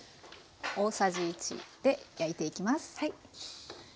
大さじ１で焼いていきます。